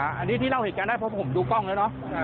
อันนี้ที่เล่าเหตุการณ์ได้เพราะผมดูกล้องแล้วเนอะ